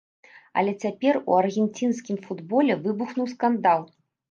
Але цяпер у аргенцінскім футболе выбухнуў скандал.